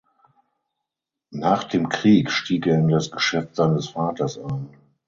Nach dem Krieg stieg er in das Geschäft seines Vaters ein.